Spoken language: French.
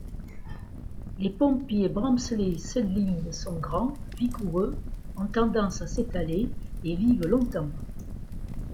Les pommiers 'Bramley's Seedling' sont grands, vigoureux, ont tendance à s'étaler et vivent longtemps.